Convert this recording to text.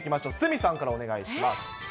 鷲見さんからお願いします。